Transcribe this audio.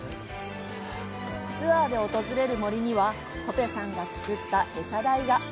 ツアーで訪れる森にはコペさんが作った餌台が。